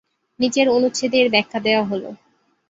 নিচের অনুচ্ছেদে এর ব্যাখ্যা দেওয়া হল।